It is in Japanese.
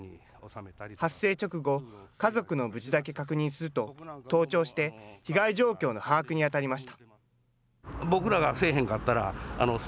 発生直後、家族の無事だけ確認すると、登庁して被害状況の把握に当たりました。